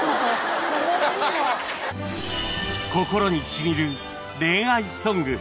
『心にしみる恋愛ソング』